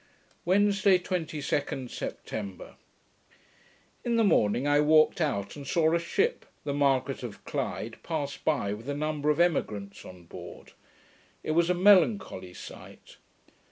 Wednesday, 22d September In the morning I walked out, and saw a ship, the Margaret of Clyde, pass by with a number of emigrants on board. It was a melancholy sight.